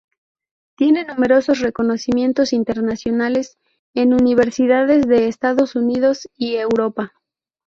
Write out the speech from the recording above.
Tiene numerosos reconocimientos internacionales en universidades de Estados Unidos y Europa.